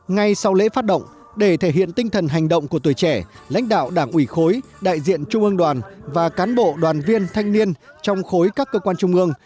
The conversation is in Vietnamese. ngay sau lễ phát động để thể hiện tinh thần hành động của tuổi trẻ lãnh đạo đảng ủy khối đại diện trung ương đoàn và cán bộ đoàn viên thanh niên trong khối các cơ quan trung ương